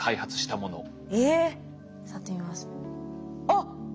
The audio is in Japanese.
あっ！